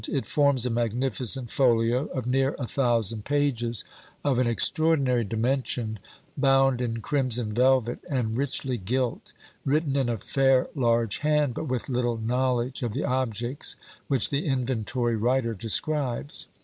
It forms a magnificent folio, of near a thousand pages, of an extraordinary dimension, bound in crimson velvet, and richly gilt, written in a fair large hand, but with little knowledge of the objects which the inventory writer describes.